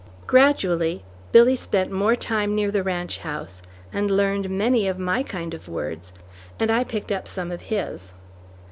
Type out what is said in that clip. Gradually, Billy spent more time near the ranch house, and learned many of my kind of words, and I picked up some of his.